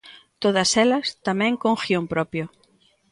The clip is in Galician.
Todas elas tamén con guión propio.